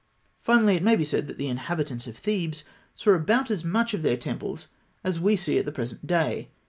Finally, it may be said that the inhabitants of Thebes saw about as much of their temples as we see at the present day.